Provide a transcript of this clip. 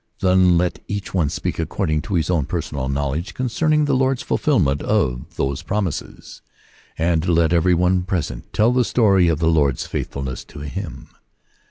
Then let each one speak according to his own personal knowledge concerning the Lord's fulfilment of those promises, and let every one present tell the story of the Lord*s faithfulness to him.